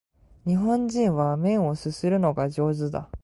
日本人は麺を啜るのが上手だ